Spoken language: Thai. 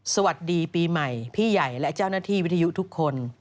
สวัสดีปีใหม่พี่ใหญ่และเจ้าหน้าที่วิทยุทุกคน